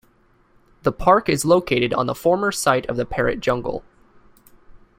The park is located on the former site of the Parrot Jungle.